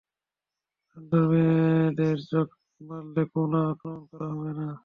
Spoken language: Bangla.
সুন্দর মেয়েদের চোখ মারলে কোন আক্রমন করা হবে না!